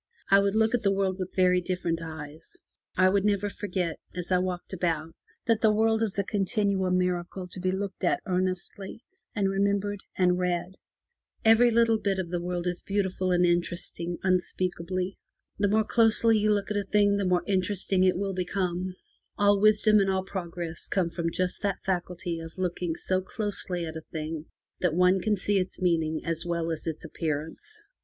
I would look 271 MY BOOK HOUSE at the world with very different eyes; I would never forget, as I walked about, that the world is a continual miracle to be looked at earnestly, and remembered and read. Each little bit of the world is beautiful and interesting unspeakably. The more closely you look at a thing the more interesting it will become. All wisdom and all progress come from just that faculty of looking so closely at a thing that one can see its meaning as well as its appearance.